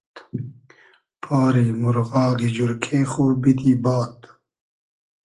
پاری مورغاگی جورکې خو بیدی باد